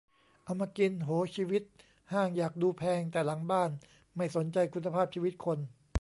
เอามากิน โห ชีวิต ห้างอยากดูแพง แต่หลังบ้านไม่สนใจคุณภาพชีวิตคน